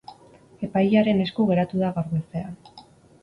Epailearen esku geratu da gaur goizean.